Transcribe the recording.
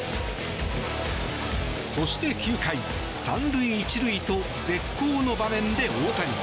そして９回、３塁１塁と絶好の場面で大谷。